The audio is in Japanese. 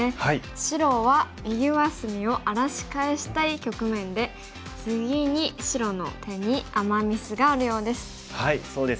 白は右上隅を荒らし返したい局面で次に白の手にアマ・ミスがあるようです。